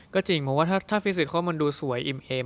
ก็จริงเพราะว่าถ้าฟิสิกเขามันดูสวยอิ่มเอม